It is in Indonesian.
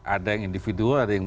ada yang individual ada yang